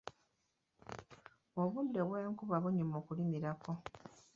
Obudde bw’enkuba bunyuma okulimirako.